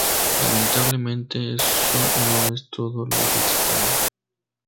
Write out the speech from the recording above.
Lamentablemente, eso no es todo lo que expone.